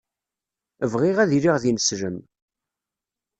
Bɣiɣ ad iliɣ d ineslem.